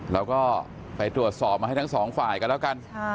เราก็ไปตรวจสอบมาให้ทั้งสองฝ่ายกันแล้วกัน